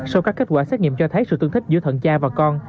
sau các kết quả xét nghiệm cho thấy sự tương thích giữa thận cha và con